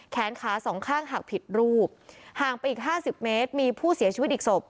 แขนขาสองข้างหักผิดรูปห่างไปอีก๕๐เมตรมีผู้เสียชีวิตอีกศพ